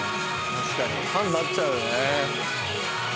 確かにファンなっちゃうよね。